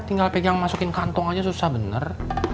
tinggal pegang masukin kantong aja susah bener